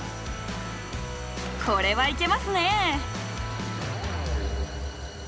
これはいけますねぇ。